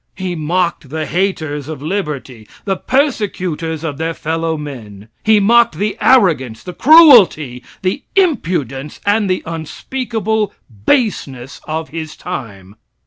He mocked the haters of liberty, the persecutors of their fellow men. He mocked the arrogance, the cruelty, the impudence and the unspeakable baseness of his time.